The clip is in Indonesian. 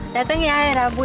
dateng ya air abu ya